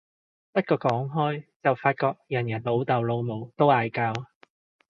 不過講開就發覺人人老豆老母都嗌交